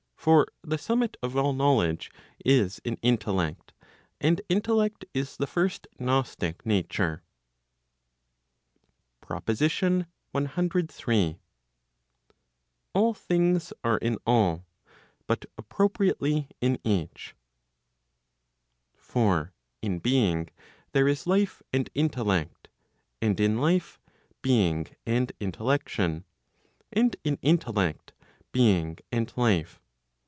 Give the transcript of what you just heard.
For the summit of all knowledge is in intellect. And intellect is the first gnostic nature. PROPOSITION CIII. All things are in all, but appropriately in each. For in being there is life and intellect; and in life, being and intellection; and in intellect being and life.